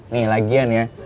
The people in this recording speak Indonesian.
nih lagian ya